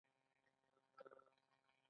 د توکي ارزښت د مصرف شوي کار له مخې ټاکل کېږي